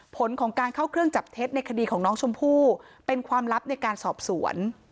ผลของการเข้าเครื่องจับเท็จในคดีของน้องชมพู่เป็นความลับในการสอบสวน